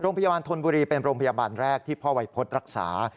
โรงพยาบาลธนบุรีเป็นโรงพยาบาลแรกที่พ่อวัยพจน์รักษา